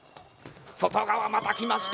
外側、またきました。